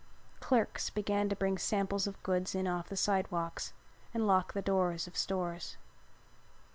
Clerks began to bring samples of goods in off the sidewalks and lock the doors of stores.